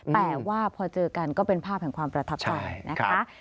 แปลว่าพอเจอกันก็เป็นภาพของความประทับต่อนะครับ